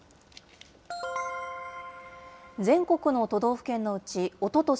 全国の都道府県のうち、おととし